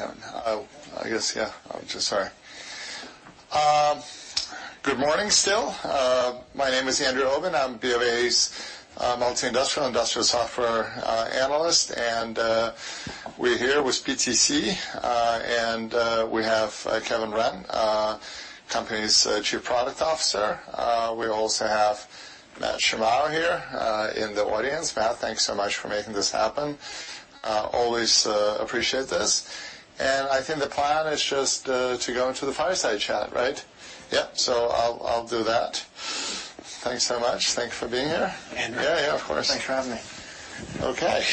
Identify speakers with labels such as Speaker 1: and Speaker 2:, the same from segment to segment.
Speaker 1: All right, Kevin. I guess, I'm just sorry. Good morning still. My name is Andrew Obin. I'm BOA's multi-industrial, industrial software analyst, and we're here with PTC, and we have Kevin Wrenn, company's Chief Product Officer. We also have Matt Shimao here in the audience. Matt, thanks so much for making this happen. Always appreciate this. I think the plan is just to go into the fireside chat, right? Yep. I'll do that. Thanks so much. Thank you for being here.
Speaker 2: Andrew?
Speaker 1: Of course.
Speaker 2: Thanks for having me.
Speaker 1: Okay.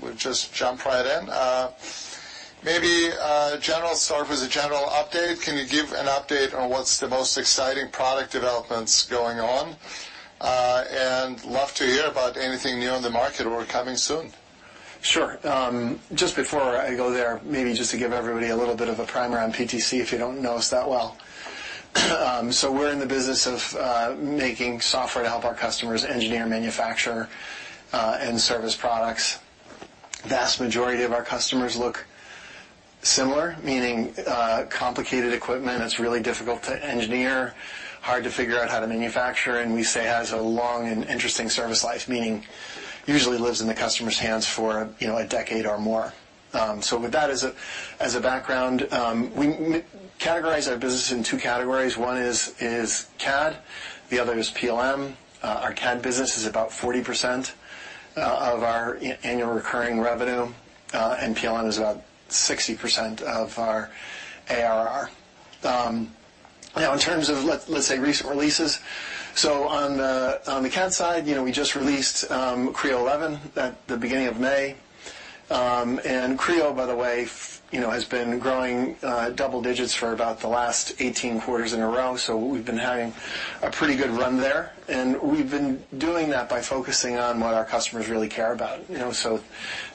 Speaker 1: We'll just jump right in. Maybe start with a general update. Can you give an update on what's the most exciting product developments going on? Love to hear about anything new in the market or coming soon.
Speaker 2: Sure. Just before I go there, maybe just to give everybody a little bit of a primer on PTC, if you don't know us that well. We're in the business of making software to help our customers engineer, manufacture, and service products. The vast majority of our customers look similar, meaning complicated equipment that's really difficult to engineer, hard to figure out how to manufacture, and we say has a long and interesting service life, meaning usually lives in the customer's hands for a decade or more. With that as a background, we categorize our business in two categories. One is CAD. The other is PLM. Our CAD business is about 40% of our Annual Recurring Revenue, and PLM is about 60% of our ARR. In terms of, let's say, recent releases, on the CAD side, we just released Creo 11 at the beginning of May. Creo, by the way, has been growing double digits for about the last 18 quarters in a row, so we've been having a pretty good run there. We've been doing that by focusing on what our customers really care about.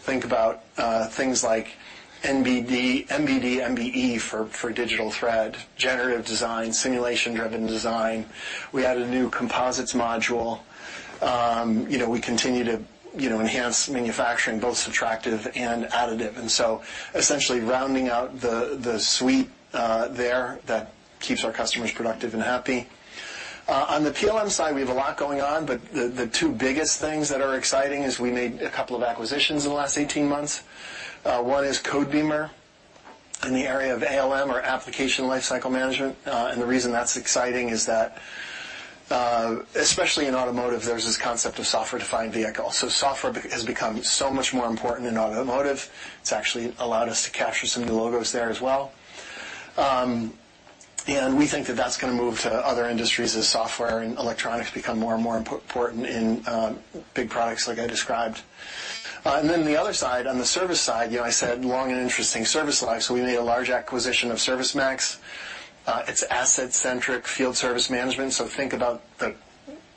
Speaker 2: Think about things like NBD, NBE for digital thread, generative design, simulation-driven design. We added a new composites module. We continue to enhance manufacturing, both subtractive and additive. Essentially rounding out the suite there that keeps our customers productive and happy. On the PLM side, we have a lot going on, but the two biggest things that are exciting is we made a couple of acquisitions in the last 18 months. One is Codebeamer in the area of ALM or Application Lifecycle Management. The reason that's exciting is that, especially in automotive, there's this concept of software-defined vehicles. Software has become so much more important in automotive. It's actually allowed us to capture some of the logos there as well. We think that that's going to move to other industries as software and electronics become more and more important in big products like I described. On the service side, I said long and interesting service life. We made a large acquisition of ServiceMax. It's asset-centric field service management. Think about the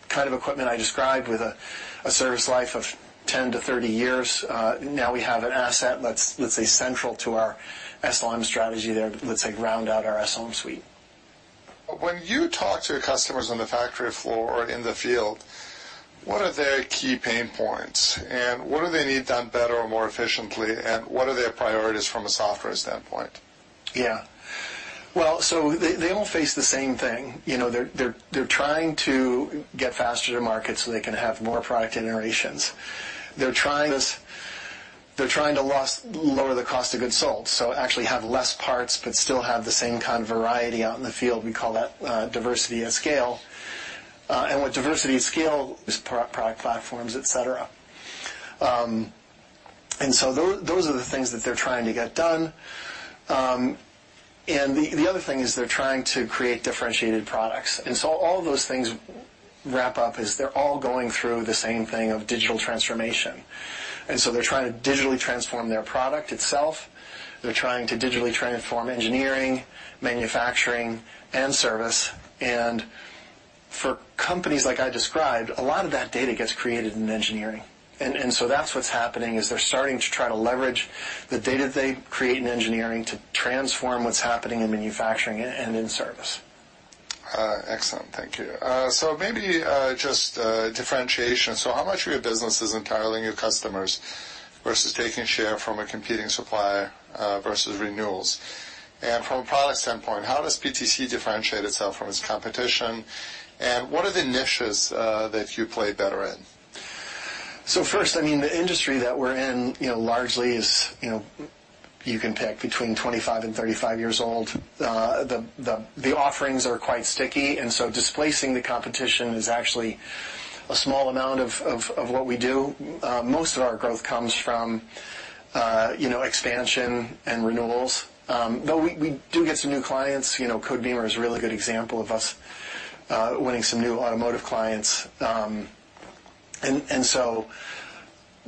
Speaker 2: kind of equipment I described with a service life of 10-30 years. Now we have an asset that's, let's say, central to our SLM strategy there. Let's say, round out our SLM suite.
Speaker 1: When you talk to your customers on the factory floor or in the field, what are their key pain points? What do they need done better or more efficiently? What are their priorities from a software standpoint?
Speaker 2: They all face the same thing. They're trying to get faster to market so they can have more product iterations. They're trying to lower the cost of goods sold, so actually have less parts but still have the same kind of variety out in the field. We call that diversity-at-scale. What diversity-at-scale is product platforms, etc. Those are the things that they're trying to get done. The other thing is they're trying to create differentiated products. All of those things wrap up as they're all going through the same thing of digital transformation. They're trying to digitally transform their product itself. They're trying to digitally transform engineering, manufacturing, and service. For companies like I described, a lot of that data gets created in engineering. That's what's happening is they're starting to try to leverage the data they create in engineering to transform what's happening in manufacturing and in service.
Speaker 1: Excellent. Thank you. Maybe just differentiation. How much of your business is entirely new customers versus taking share from a competing supplier versus renewals? From a product standpoint, how does PTC differentiate itself from its competition? What are the niches that you play better in?
Speaker 2: First, I mean, the industry that we're in largely is you can pick between 25 and 35 years old. The offerings are quite sticky. Displacing the competition is actually a small amount of what we do. Most of our growth comes from expansion and renewals. We do get some new clients. Codebeamer is a really good example of us winning some new automotive clients.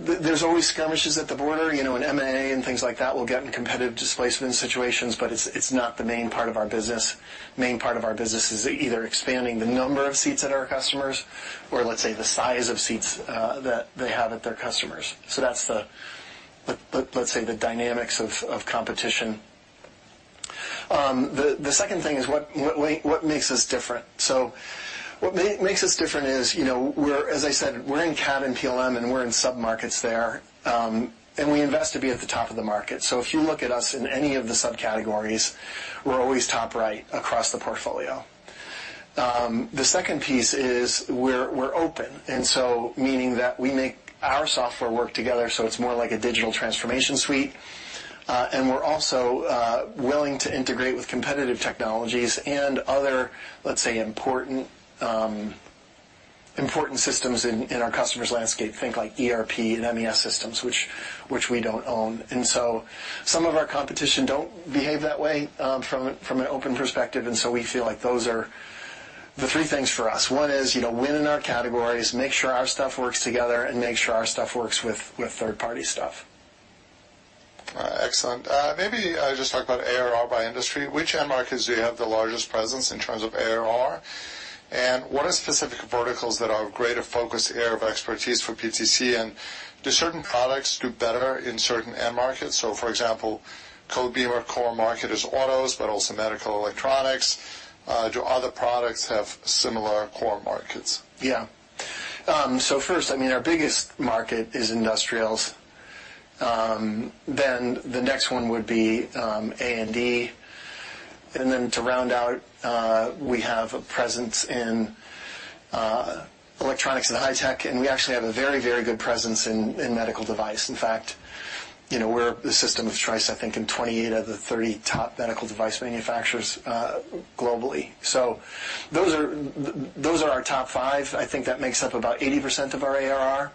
Speaker 2: There are always skirmishes at the border and M&A and things like that. We get in competitive displacement situations, but it's not the main part of our business. The main part of our business is either expanding the number of seats at our customers or, let's say, the size of seats that they have at their customers. That's, let's say, the dynamics of competition. The second thing is what makes us different. What makes us different is, as I said, we're in CAD and PLM, and we're in sub-markets there. We invest to be at the top of the market. If you look at us in any of the subcategories, we're always top right across the portfolio. The second piece is we're open, meaning that we make our software work together, so it's more like a digital transformation suite. We're also willing to integrate with competitive technologies and other, let's say, important systems in our customer's landscape. Think like ERP and MES systems, which we don't own. Some of our competition don't behave that way from an open perspective. We feel like those are the three things for us. One is win in our categories, make sure our stuff works together, and make sure our stuff works with third-party stuff.
Speaker 1: Excellent. Maybe I just talk about ARR by industry. Which end markets do you have the largest presence in terms of ARR? What are specific verticals that are of greater focus, area of expertise for PTC? Do certain products do better in certain end markets? For example, Codebeamer core market is autos, but also medical electronics. Do other products have similar core markets?
Speaker 2: So first, I mean, our biggest market is industrials. The next one would be A&D. To round out, we have a presence in electronics and high-tech. We actually have a very, very good presence in medical device. In fact, we're the system of choice, I think, in 28 of the 30 top medical device manufacturers globally. Those are our top five. I think that makes up about 80% of our ARR.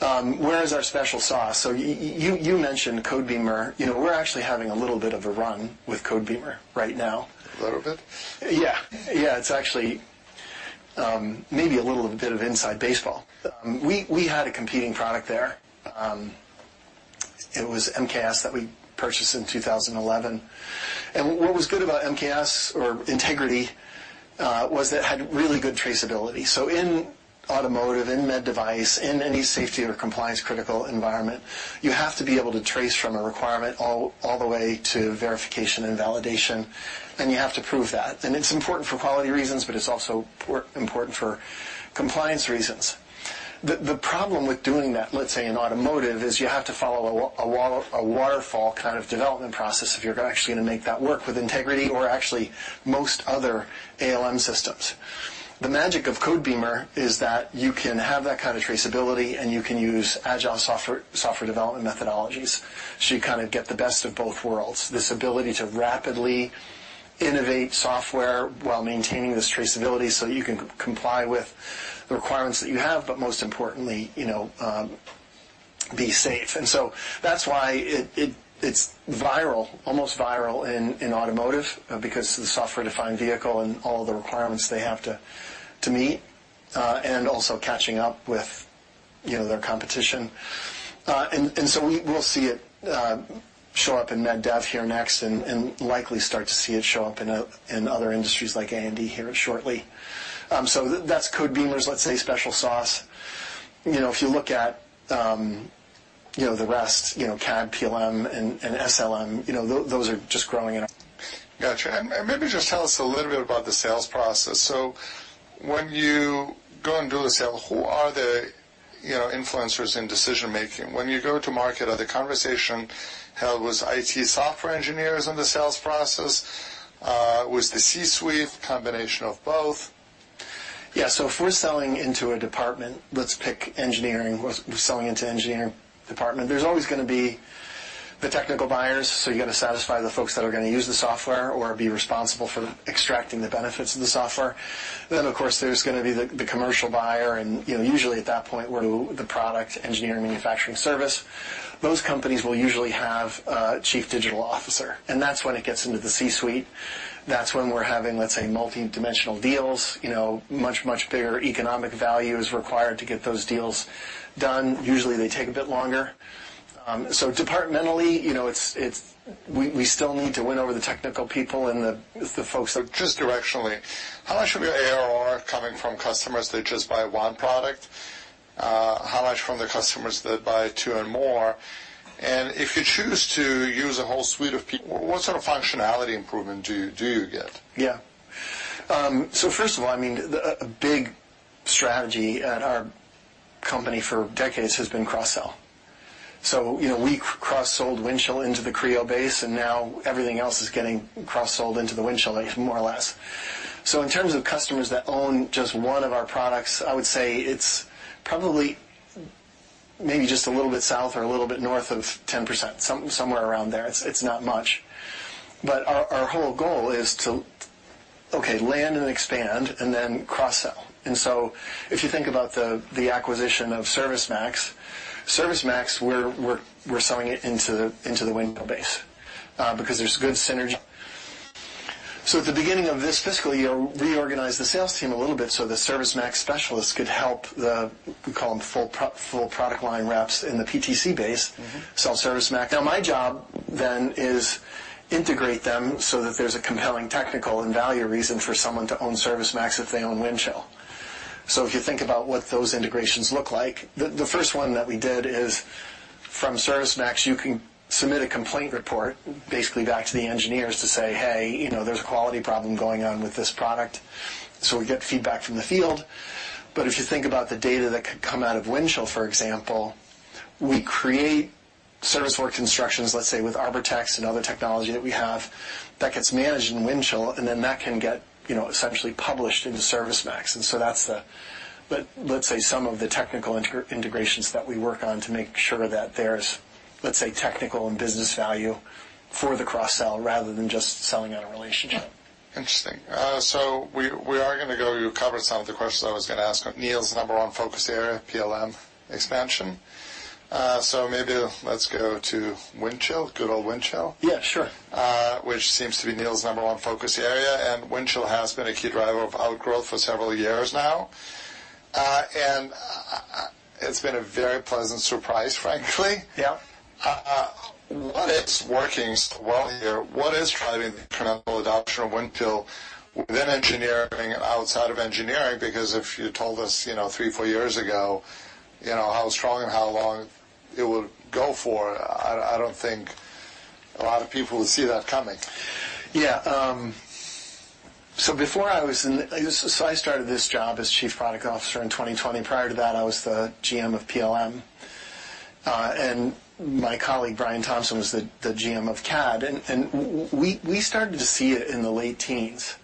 Speaker 2: Where is our special sauce? You mentioned Codebeamer. We're actually having a little bit of a run with Codebeamer right now.
Speaker 1: A little bit?
Speaker 2: It's actually maybe a little bit of inside baseball. We had a competing product there. It was MKS that we purchased in 2011. And what was good about MKS or Integrity was that it had really good traceability. So in automotive, in med device, in any safety or compliance-critical environment, you have to be able to trace from a requirement all the way to verification and validation. And you have to prove that. And it's important for quality reasons, but it's also important for compliance reasons. The problem with doing that, let's say, in automotive is you have to follow a waterfall kind of development process if you're actually going to make that work with Integrity or actually most other ALM systems. The magic of Codebeamer is that you can have that kind of traceability, and you can use agile software development methodologies so you kind of get the best of both worlds. This ability to rapidly innovate software while maintaining this traceability so that you can comply with the requirements that you have, but most importantly, be safe. That is why it's viral, almost viral in automotive because of the software-defined vehicle and all of the requirements they have to meet and also catching up with their competition. We will see it show up in med dev here next and likely start to see it show up in other industries like A&D here shortly. That is Codebeamer's, let's say, special sauce. If you look at the rest, CAD, PLM, and SLM, those are just growing.
Speaker 1: Gotcha. Maybe just tell us a little bit about the sales process. When you go and do the sale, who are the influencers in decision-making? When you go to market, are the conversations held with IT software engineers in the sales process? Was the C-suite a combination of both?
Speaker 2: If we're selling into a department, let's pick engineering. We're selling into the engineering department. There's always going to be the technical buyers. You got to satisfy the folks that are going to use the software or be responsible for extracting the benefits of the software. Of course, there's going to be the commercial buyer. Usually at that point, the product engineering manufacturing service, those companies will usually have a Chief Digital Officer. That's when it gets into the C-suite. That's when we're having, let's say, multidimensional deals. Much, much bigger economic value is required to get those deals done. Usually, they take a bit longer. Departmentally, we still need to win over the technical people and the folks.
Speaker 1: Just directionally, how much of your ARR coming from customers that just buy one product? How much from the customers that buy two and more? If you choose to use a whole suite of, what sort of functionality improvement do you get?
Speaker 2: First of all, I mean, a big strategy at our company for decades has been cross-sell. We cross-sold Windchill into the Creo base, and now everything else is getting cross-sold into Windchill, more or less. In terms of customers that own just one of our products, I would say it's probably maybe just a little bit south or a little bit north of 10%, somewhere around there. It's not much. Our whole goal is to land and expand and then cross-sell. If you think about the acquisition of ServiceMax, ServiceMax, we're selling it into the Windchill base because there's good synergy. At the beginning of this fiscal year, we reorganized the sales team a little bit so the ServiceMax specialists could help the, we call them full product line reps, in the PTC base, sell ServiceMax. Now, my job then is to integrate them so that there's a compelling technical and value reason for someone to own ServiceMax if they own Windchill. If you think about what those integrations look like, the first one that we did is from ServiceMax, you can submit a complaint report basically back to the engineers to say, "Hey, there's a quality problem going on with this product." We get feedback from the field. If you think about the data that could come out of Windchill, for example, we create service work instructions, let's say, with Arbortext and other technology that we have that gets managed in Windchill, and then that can get essentially published into ServiceMax. That's the, let's say, some of the technical integrations that we work on to make sure that there's, let's say, technical and business value for the cross-sell rather than just selling out a relationship.
Speaker 1: Interesting. We are going to cover some of the questions I was going to ask. Neil's number one focus area, PLM expansion. Maybe let's go to Windchill, good old Windchill.
Speaker 2: Sure.
Speaker 1: Which seems to be Neil's number one focus area. Windchill has been a key driver of outgrowth for several years now. It has been a very pleasant surprise, frankly. What is working well here? What is driving the incremental adoption of Windchill within engineering and outside of engineering? Because if you told us three, four years ago how strong and how long it would go for, I do not think a lot of people would see that coming.
Speaker 2: I started this job as Chief Product Officer in 2020. Prior to that, I was the GM of PLM. My colleague, Brian Thompson, was the GM of CAD. We started to see it in the late teens,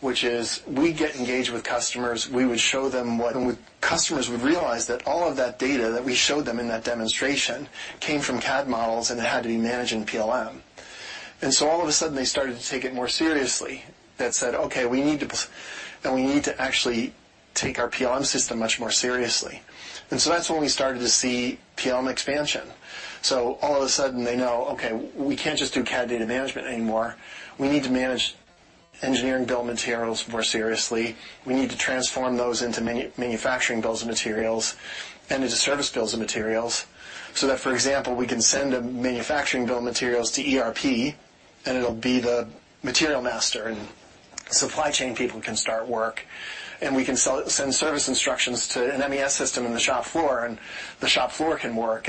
Speaker 2: which is we get engaged with customers. We would show them what customers would realize, that all of that data that we showed them in that demonstration came from CAD models, and it had to be managed in PLM. All of a sudden, they started to take it more seriously. That said, "Okay, we need to, and we need to actually take our PLM system much more seriously." That is when we started to see PLM expansion. All of a sudden, they know, "Okay, we can't just do CAD data management anymore. We need to manage engineering bill of materials more seriously. We need to transform those into manufacturing bills of materials and into service bills of materials so that, for example, we can send a manufacturing bill of materials to ERP, and it'll be the material master, and supply chain people can start work. We can send service instructions to an MES system in the shop floor, and the shop floor can work.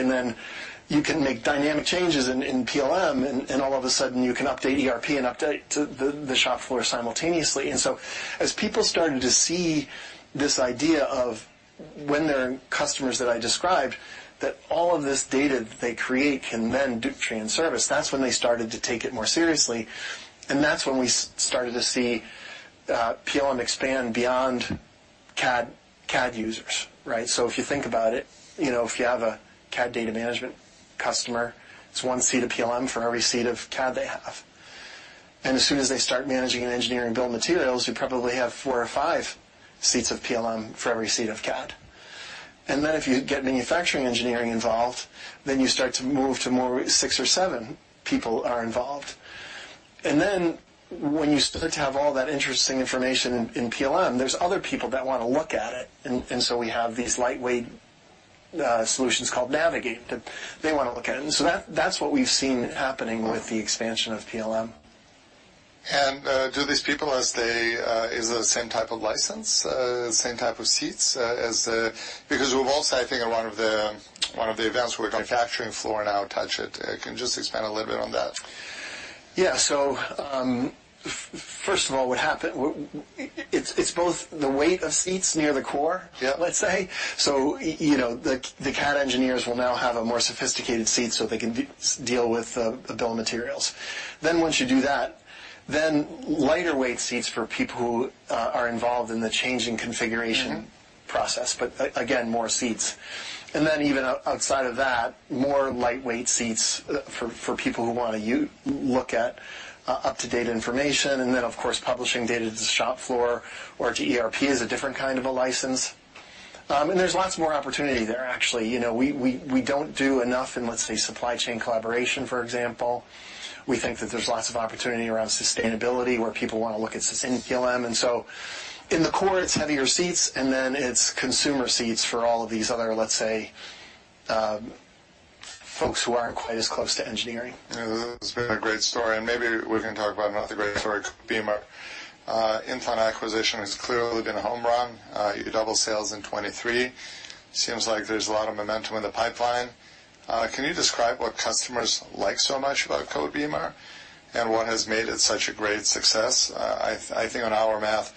Speaker 2: You can make dynamic changes in PLM," and all of a sudden, you can update ERP and update the shop floor simultaneously." As people started to see this idea of when they're customers that I described, that all of this data that they create can then do train service, that's when they started to take it more seriously. That's when we started to see PLM expand beyond CAD users. If you think about it, if you have a CAD data management customer, it's one seat of PLM for every seat of CAD they have. As soon as they start managing an engineering bill of materials, you probably have four or five seats of PLM for every seat of CAD. If you get manufacturing engineering involved, then you start to move to more six or seven people are involved. When you start to have all that interesting information in PLM, there are other people that want to look at it. We have these lightweight solutions called Navigate that they want to look at. That's what we've seen happening with the expansion of PLM.
Speaker 1: Do these people, is the same type of license, same type of seats? Because we've also, I think, one of the events where the manufacturing floor now touch it. Can you just expand a little bit on that?
Speaker 2: First of all, what happened, it's both the weight of seats near the core, let's say. The CAD engineers will now have a more sophisticated seat so they can deal with the bill of materials. Once you do that, lighter weight seats for people who are involved in the changing configuration process, but again, more seats. Even outside of that, more lightweight seats for people who want to look at up-to-date information, of course, publishing data to the shop floor or to ERP is a different kind of a license. There's lots more opportunity there, actually. We don't do enough in, let's say, supply chain collaboration, for example. We think that there's lots of opportunity around sustainability where people want to look at sustainability in PLM. In the core, it's heavier seats, and then it's consumer seats for all of these other, let's say, folks who aren't quite as close to engineering.
Speaker 1: It's been a great story. Maybe we can talk about another great story. Codebeamer, Intel acquisition has clearly been a home run. You double sales in 2023. Seems like there's a lot of momentum in the pipeline. Can you describe what customers like so much about Codebeamer and what has made it such a great success? I think on our math,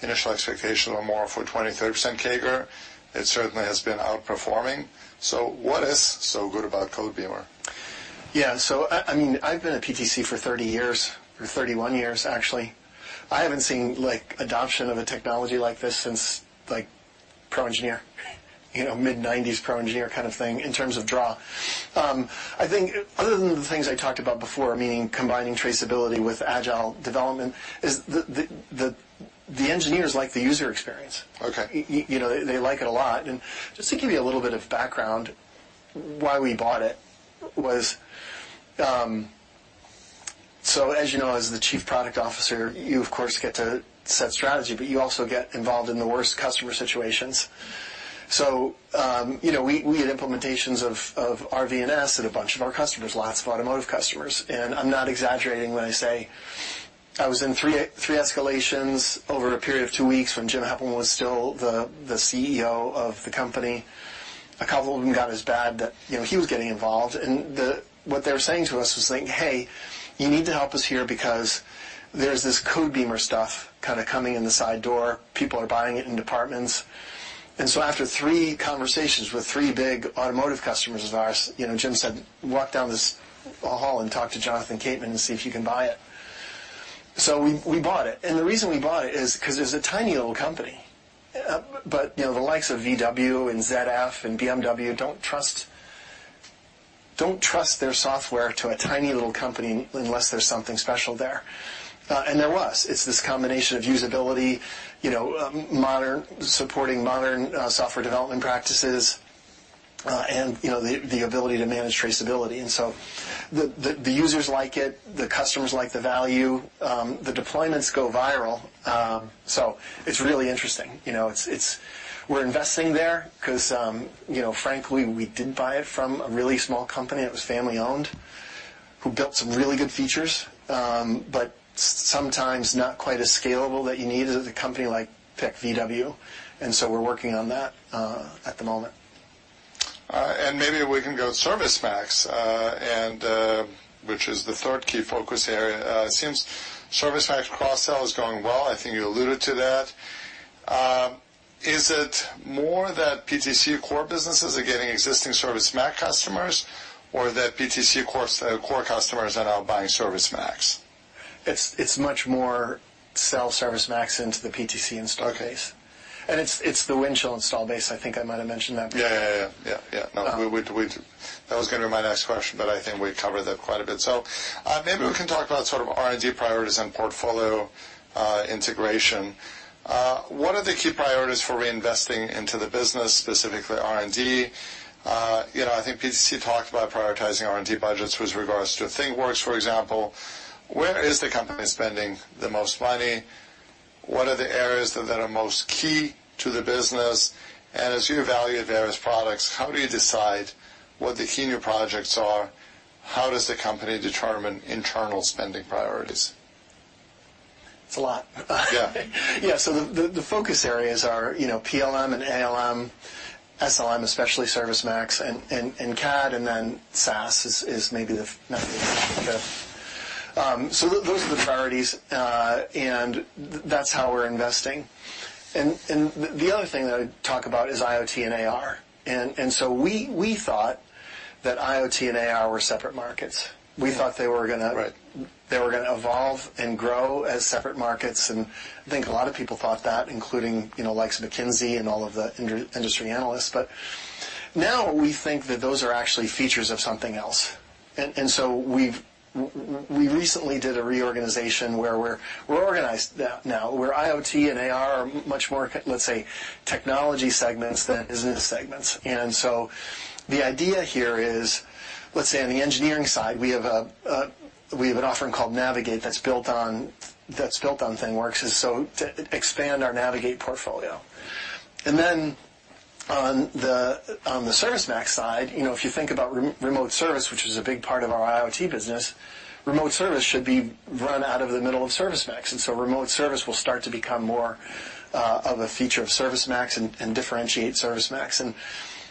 Speaker 1: initial expectations are more for 20-30% CAGR. It certainly has been outperforming. What is so good about Codebeamer?
Speaker 2: I've been at PTC for 30 years, or 31 years, actually. I haven't seen adoption of a technology like this since Pro/ENGINEER, mid-1990s Pro/ENGINEER kind of thing in terms of draw. I think other than the things I talked about before, meaning combining traceability with agile development, the engineers like the user experience. They like it a lot. And just to give you a little bit of background, why we bought it was, as you know, as the Chief Product Officer, you, of course, get to set strategy, but you also get involved in the worst customer situations. We had implementations of RV&S at a bunch of our customers, lots of automotive customers. I'm not exaggerating when I say I was in three escalations over a period of two weeks when Jim Heppelmann was still the CEO of the company. A couple of them got as bad that he was getting involved. What they were saying to us was, "Hey, you need to help us here because there's this Codebeamer stuff coming in the side door. People are buying it in departments." After three conversations with three big automotive customers of ours, Jim said, "Walk down this hall and talk to Jonathan Kateman and see if you can buy it." We bought it. The reason we bought it is because it's a tiny little company. The likes of VW and ZF and BMW don't trust their software to a tiny little company unless there's something special there. There was. It's this combination of usability, supporting modern software development practices, and the ability to manage traceability. The users like it. The customers like the value. The deployments go viral. It is really interesting. We're investing there because, frankly, we did buy it from a really small company. It was family-owned who built some really good features, but sometimes not quite as scalable that you need as a company like, pick VW. And so we're working on that at the moment.
Speaker 1: Maybe we can go to ServiceMax, which is the third key focus area. It seems ServiceMax cross-sell is going well. I think you alluded to that. Is it more that PTC core businesses are getting existing ServiceMax customers or that PTC core customers are now buying ServiceMax?
Speaker 2: It's much more sell ServiceMax into the PTC install case. And it's the Windchill install base. I think I might have mentioned that before.
Speaker 1: No, that was going to be my next question, but I think we covered that quite a bit. Maybe we can talk about sort of R&D priorities and portfolio integration. What are the key priorities for reinvesting into the business, specifically R&D? I think PTC talked about prioritizing R&D budgets with regards to ThingWorx, for example. Where is the company spending the most money? What are the areas that are most key to the business? As you evaluate various products, how do you decide what the key new projects are? How does the company determine internal spending priorities?
Speaker 2: It's a lot. The focus areas are PLM and ALM, SLM, especially ServiceMax and CAD, and then SaaS is maybe the. Those are the priorities, and that's how we're investing. The other thing that I talk about is IoT and AR. We thought that IoT and AR were separate markets. We thought they were going to evolve and grow as separate markets. I think a lot of people thought that, including the likes of McKinsey and all of the industry analysts. Now we think that those are actually features of something else. We recently did a reorganization where we're organized now, where IoT and AR are much more, let's say, technology segments than business segments. The idea here is, let's say, on the engineering side, we have an offering called Navigate that's built on ThingWorx to expand our Navigate portfolio. On the ServiceMax side, if you think about remote service, which is a big part of our IoT business, remote service should be run out of the middle of ServiceMax. Remote service will start to become more of a feature of ServiceMax and differentiate ServiceMax.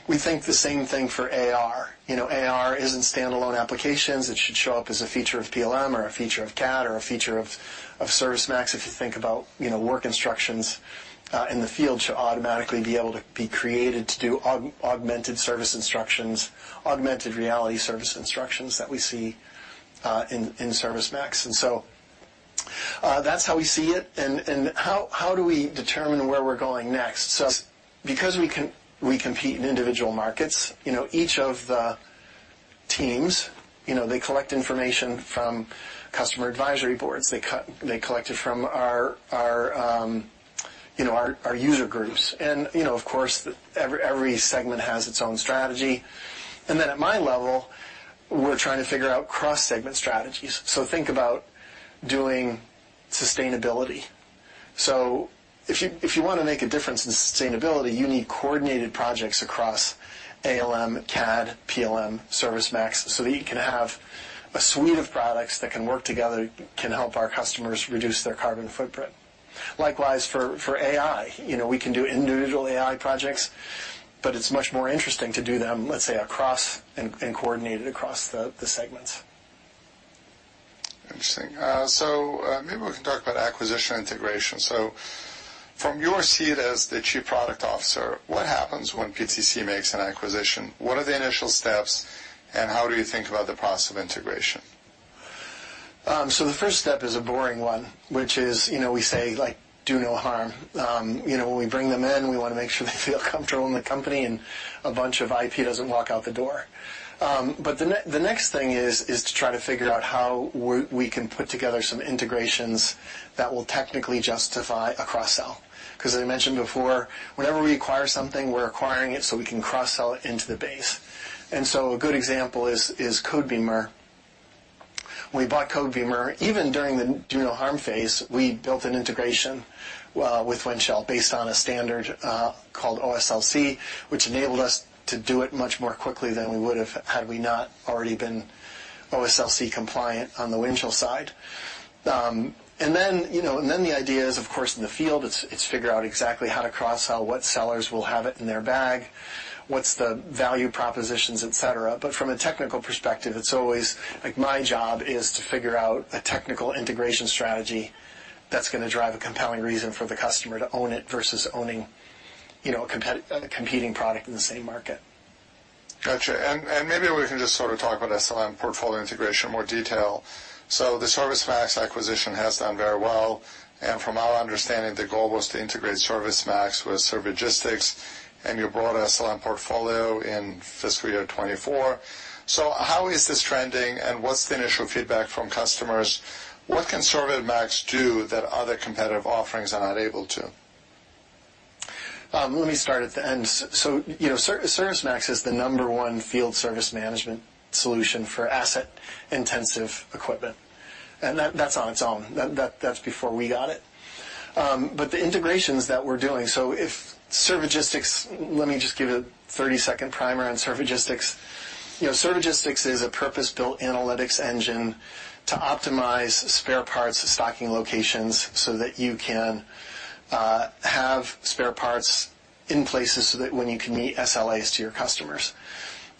Speaker 2: We think the same thing for AR. AR is not standalone applications. It should show up as a feature of PLM or a feature of CAD or a feature of ServiceMax. If you think about work instructions in the field, they should automatically be able to be created to do augmented service instructions, augmented reality service instructions that we see in ServiceMax. That is how we see it. How do we determine where we are going next? Because we compete in individual markets, each of the teams collect information from customer advisory boards. They collect it from our user groups. Of course, every segment has its own strategy. At my level, we're trying to figure out cross-segment strategies. Think about doing sustainability. If you want to make a difference in sustainability, you need coordinated projects across ALM, CAD, PLM, ServiceMax so that you can have a suite of products that can work together, can help our customers reduce their carbon footprint. Likewise, for AI, we can do individual AI projects, but it's much more interesting to do them, let's say, across and coordinated across the segments.
Speaker 1: Interesting. Maybe we can talk about acquisition integration. From your seat as the Chief Product Officer, what happens when PTC makes an acquisition? What are the initial steps, and how do you think about the process of integration?
Speaker 2: The first step is a boring one, which is we say, "Do no harm." When we bring them in, we want to make sure they feel comfortable in the company and a bunch of IP does not walk out the door. The next thing is to try to figure out how we can put together some integrations that will technically justify a cross-sell. Because as I mentioned before, whenever we acquire something, we are acquiring it so we can cross-sell it into the base. A good example is Codebeamer. When we bought Codebeamer, even during the do-no-harm phase, we built an integration with Windchill based on a standard called OSLC, which enabled us to do it much more quickly than we would have had we not already been OSLC compliant on the Windchill side. The idea is, of course, in the field, it's figure out exactly how to cross-sell, what sellers will have it in their bag, what's the value propositions, etc. From a technical perspective, it's always my job is to figure out a technical integration strategy that's going to drive a compelling reason for the customer to own it versus owning a competing product in the same market.
Speaker 1: Maybe we can just sort of talk about SLM portfolio integration in more detail. The ServiceMax acquisition has done very well. From our understanding, the goal was to integrate ServiceMax with Servigistics, and you brought SLM portfolio in FY2024. How is this trending, and what's the initial feedback from customers? What can ServiceMax do that other competitive offerings are not able to?
Speaker 2: Let me start at the end. ServiceMax is the number one field service management solution for asset-intensive equipment. That is on its own. That is before we got it. The integrations that we are doing, so if Servigistics, let me just give a 30-second primer on Servigistics. Servigistics is a purpose-built analytics engine to optimize spare parts stocking locations so that you can have spare parts in places so that you can meet SLAs to your customers.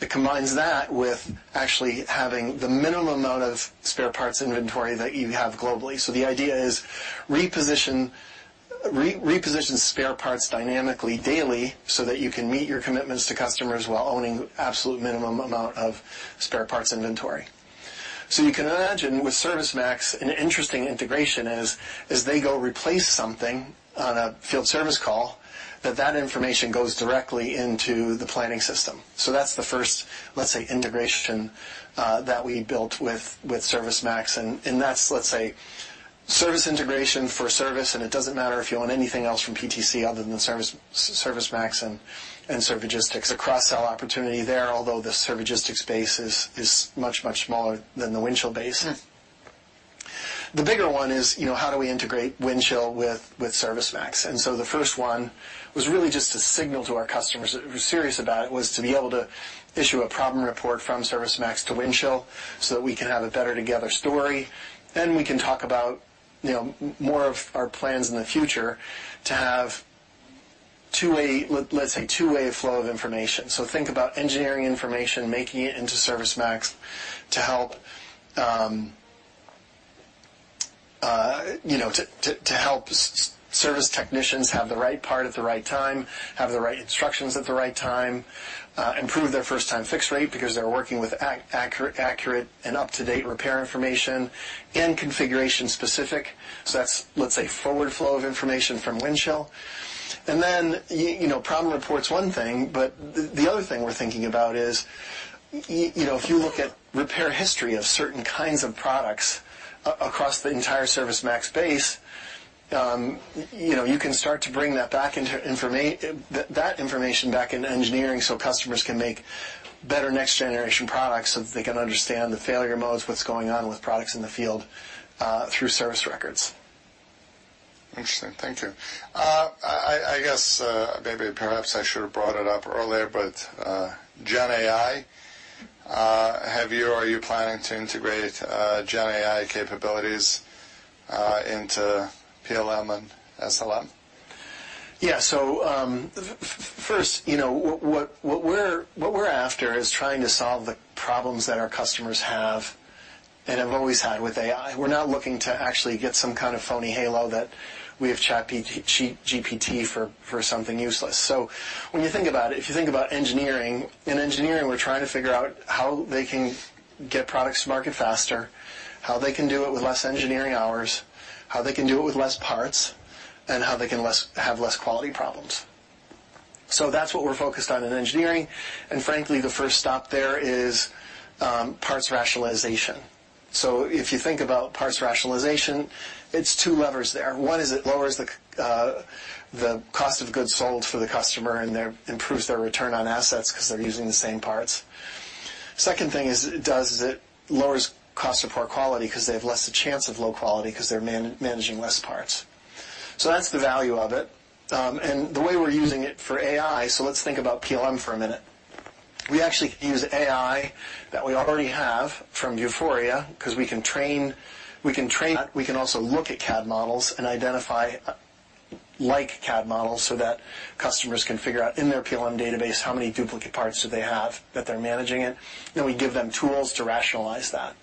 Speaker 2: It combines that with actually having the minimum amount of spare parts inventory that you have globally. The idea is reposition spare parts dynamically daily so that you can meet your commitments to customers while owning absolute minimum amount of spare parts inventory. You can imagine with ServiceMax, an interesting integration is as they go replace something on a field service call, that that information goes directly into the planning system. That is the first, let's say, integration that we built with ServiceMax. That is, let's say, service integration for service, and it does not matter if you own anything else from PTC other than ServiceMax and Servigistics. A cross-sell opportunity there, although the Servigistics base is much, much smaller than the Windchill base. The bigger one is how do we integrate Windchill with ServiceMax? The first one was really just to signal to our customers that we are serious about it, to be able to issue a problem report from ServiceMax to Windchill so that we can have a better together story. We can talk about more of our plans in the future to have, let's say, a two-way flow of information. Think about engineering information, making it into ServiceMax to help service technicians have the right part at the right time, have the right instructions at the right time, improve their first-time fix rate because they're working with accurate and up-to-date repair information and configuration-specific. That's, let's say, forward flow of information from Windchill. Problem reports are one thing, but the other thing we're thinking about is, if you look at repair history of certain kinds of products across the entire ServiceMax base, you can start to bring that information back into engineering so customers can make better next-generation products so that they can understand the failure modes, what's going on with products in the field through service records.
Speaker 1: Interesting. Thank you. I guess maybe perhaps I should have brought it up earlier, but GenAI, are you planning to integrate GenAI capabilities into PLM and SLM?
Speaker 2: First, what we're after is trying to solve the problems that our customers have and have always had with AI. We're not looking to actually get some kind of phony halo that we have ChatGPT for something useless. When you think about it, if you think about engineering, in engineering, we're trying to figure out how they can get products to market faster, how they can do it with less engineering hours, how they can do it with less parts, and how they can have less quality problems. That's what we're focused on in engineering. Frankly, the first stop there is parts rationalization. If you think about parts rationalization, it's two levers there. One is it lowers the cost of goods sold for the customer and improves their return on assets because they're using the same parts. Second thing it does is it lowers cost of poor quality because they have less chance of low quality because they're managing less parts. That's the value of it. The way we're using it for AI, let's think about PLM for a minute. We actually use AI that we already have from Vuforia because we can train that. We can also look at CAD models and identify like-CAD models so that customers can figure out in their PLM database how many duplicate parts do they have that they're managing. We give them tools to rationalize that.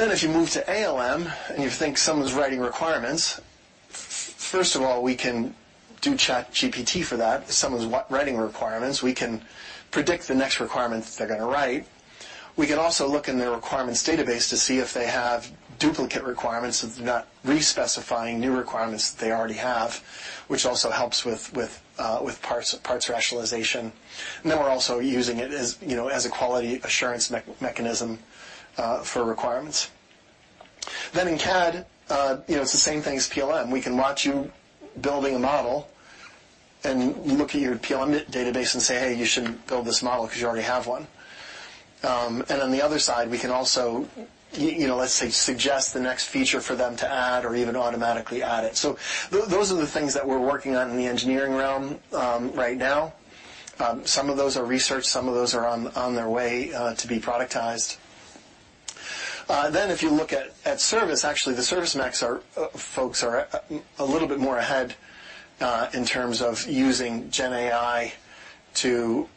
Speaker 2: If you move to ALM and you think someone's writing requirements, first of all, we can do ChatGPT for that. If someone's writing requirements, we can predict the next requirement that they're going to write. We can also look in their requirements database to see if they have duplicate requirements so they're not re-specifying new requirements that they already have, which also helps with parts rationalization. We're also using it as a quality assurance mechanism for requirements. In CAD, it's the same thing as PLM. We can watch you building a model and look at your PLM database and say, "Hey, you shouldn't build this model because you already have one." On the other side, we can also, let's say, suggest the next feature for them to add or even automatically add it. Those are the things that we're working on in the engineering realm right now. Some of those are researched. Some of those are on their way to be productized. If you look at service, actually, the ServiceMax folks are a little bit more ahead in terms of using GenAI to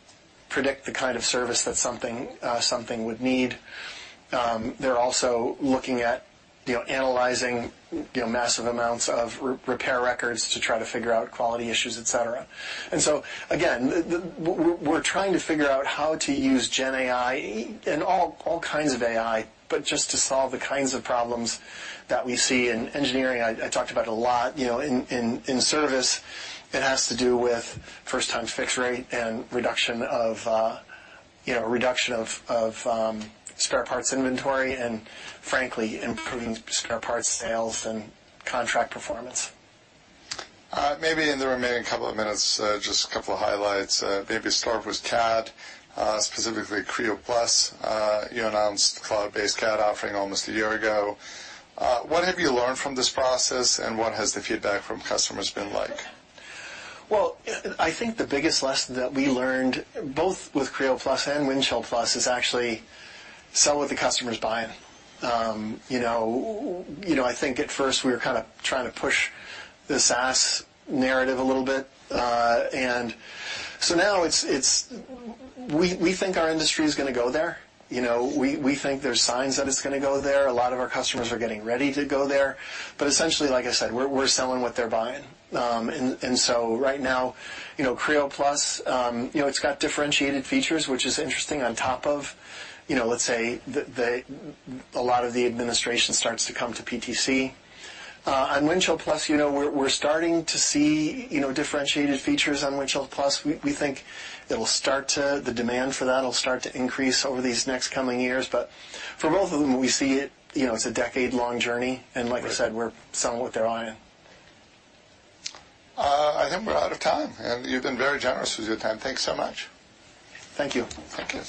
Speaker 2: predict the kind of service that something would need. They're also looking at analyzing massive amounts of repair records to try to figure out quality issues, etc. Again, we're trying to figure out how to use GenAI and all kinds of AI, but just to solve the kinds of problems that we see in engineering. I talked about it a lot. In service, it has to do with first-time fix rate and reduction of spare parts inventory and, frankly, improving spare parts sales and contract performance.
Speaker 1: Maybe in the remaining couple of minutes, just a couple of highlights. Maybe start with CAD, specifically Creo Plus. You announced cloud-based CAD offering almost a year ago. What have you learned from this process, and what has the feedback from customers been like?
Speaker 2: I think the biggest lesson that we learned, both with Creo Plus and Windchill Plus, is actually sell what the customer's buying. I think at first, we were kind of trying to push the SaaS narrative a little bit. We think our industry is going to go there. We think there's signs that it's going to go there. A lot of our customers are getting ready to go there. Essentially, like I said, we're selling what they're buying. Right now, Creo Plus, it's got differentiated features, which is interesting on top of, let's say, a lot of the administration starts to come to PTC. On Windchill Plus, we're starting to see differentiated features on Windchill Plus. We think the demand for that will start to increase over these next coming years. For both of them, we see it's a decade-long journey. Like I said, we're selling what they're buying.
Speaker 1: I think we're out of time. You've been very generous with your time. Thanks so much.
Speaker 2: Thank you.
Speaker 1: Thank you.